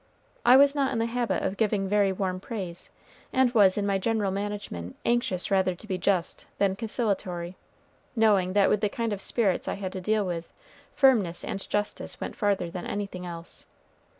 I was not in the habit of giving very warm praise, and was in my general management anxious rather to be just than conciliatory, knowing that with the kind of spirits I had to deal with, firmness and justice went farther than anything else.